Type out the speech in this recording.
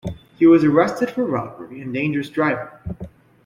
He was arrested for robbery and dangerous driving.